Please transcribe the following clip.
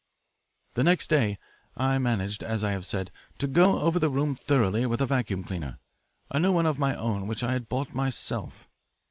"The next day I managed, as I have said, to go over the room thoroughly with a vacuum cleaner a new one of my own which I had bought myself.